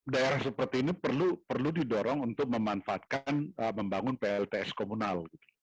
daerah seperti ini perlu didorong untuk memanfaatkan membangun plts komunal